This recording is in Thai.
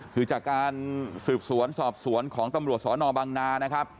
คือจากการสืบสวนสอบสวนของตำรวจสนบังนานะครับ